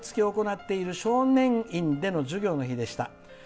今日は毎月行っている少年院での授業の日でした。